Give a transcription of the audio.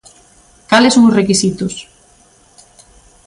¿Cales son os requisitos?